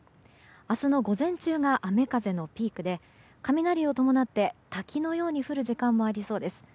明日の午前中が雨風のピークで雷を伴って滝のように降る時間もありそうです。